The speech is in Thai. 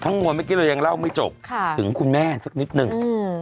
โอเคมานี่ก็ยังเล่าไม่จบถึงคุณแม่น้อชั้นนิดนึง